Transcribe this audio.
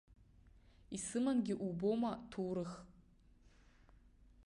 Исымангьы убома ҭоурых?